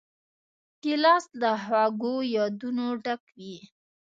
ګیلاس له خوږو یادونو ډک وي.